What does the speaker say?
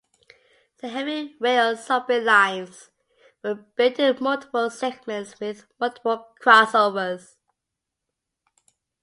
The heavy-rail subway lines were built in multiple segments with multiple crossovers.